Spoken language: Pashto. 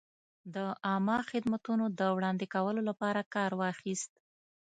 د عامه خدمتونو د وړاندې کولو لپاره کار واخیست.